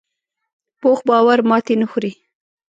پوخ باور ماتې نه خوري